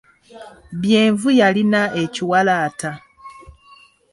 Byenvu yalina ekiwalaata.